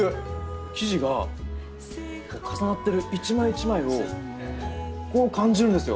生地が重なってる一枚一枚をこう感じるんですよ。